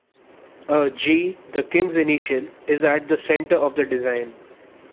A "G", the King's initial, is at the centre of the design.